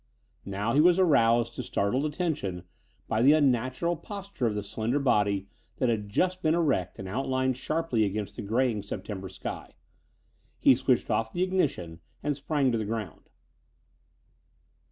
Now he was aroused to startled attention by the unnatural posture of the slender body that had just been erect and outlined sharply against the graying September sky. He switched off the ignition and sprang to the ground.